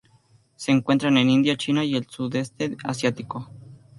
Se encuentran en India, China y el sudeste Asiático.